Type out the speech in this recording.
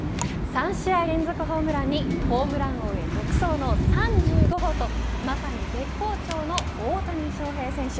３試合連続ホームランにホームラン王へ独走の３５号とまさに絶好調の大谷翔平選手。